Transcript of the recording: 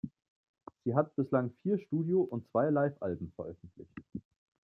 Sie hat bislang vier Studio- und zwei Livealben veröffentlicht.